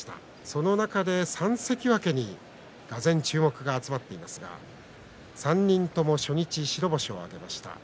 その中で３関脇にがぜん注目が集まっていますが３人とも初日白星を挙げました。